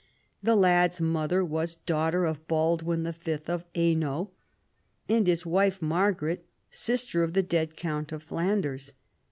The lad's mother was daughter of Baldwin V. of Hainault and his wife Margaret, sister of the dead count of Flanders.